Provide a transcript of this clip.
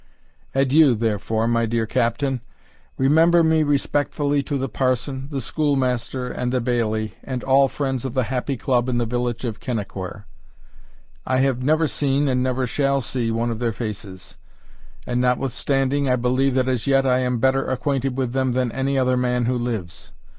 Adieu, therefore, my dear Captain remember me respectfully to the parson, the schoolmaster, and the bailie, and all friends of the happy club in the village of Kennaquhair. I have never seen, and never shall see, one of their faces; and notwithstanding, I believe that as yet I am better acquainted with them than any other man who lives.